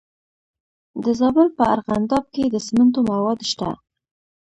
د زابل په ارغنداب کې د سمنټو مواد شته.